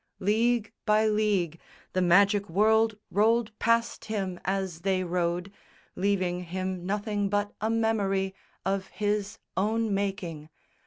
League by league The magic world rolled past him as they rode, Leaving him nothing but a memory Of his own making.